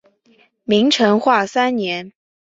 明成化三年。